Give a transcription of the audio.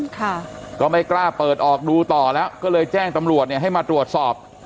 ค่ะก็ไม่กล้าเปิดออกดูต่อแล้วก็เลยแจ้งตำรวจเนี่ยให้มาตรวจสอบ